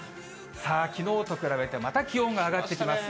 きのうと比べてまた気温が上がってきます。